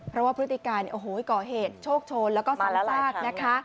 เพราะว่าพฤติการโอ้โหก่อเหตุโชคโชนแล้วก็ซ้ำซากนะคะ